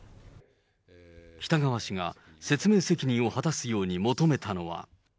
北側氏が説明責任を果たすように求めたのは。